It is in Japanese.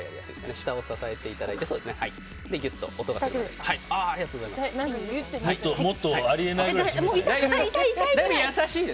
下を支えていただいてギュッと音がするまで。